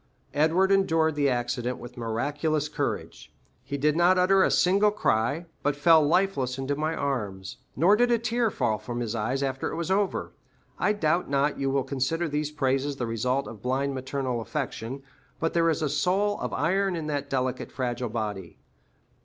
Edward endured the accident with miraculous courage—he did not utter a single cry, but fell lifeless into my arms; nor did a tear fall from his eyes after it was over. I doubt not you will consider these praises the result of blind maternal affection, but there is a soul of iron in that delicate, fragile body.